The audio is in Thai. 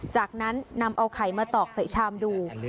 จากนั้นนำเอาไข่มาตอกใส่ชามดู